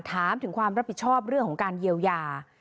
ถามถึงความรับผิดชอบเรื่องของการเยียวยา